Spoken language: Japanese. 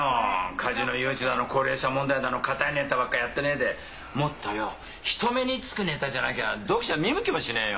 カジノ誘致だの高齢者問題だのかたいネタばっかやってねえでもっとよ人目につくネタじゃなきゃ読者見向きもしねえよ。